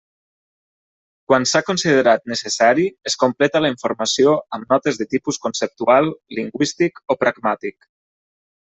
Quan s'ha considerat necessari, es completa la informació amb notes de tipus conceptual, lingüístic o pragmàtic.